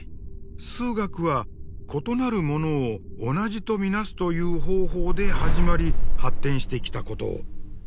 数学は異なるものを同じと見なすという方法で始まり発展してきたことを。